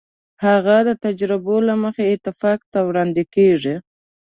هغه د تجربو له مخې اتفاق ته وړاندې کېږي.